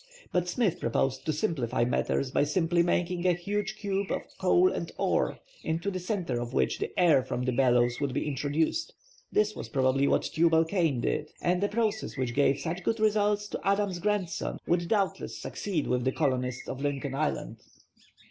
But Smith proposed to simplify matters by simply making a huge cube of coal and ore, into the centre of which the air from the bellows would be introduced. This was, probably, what Tubal Cain did. And a process which gave such good results to Adam's grandson would doubtless succeed with the colonists of Lincoln Island.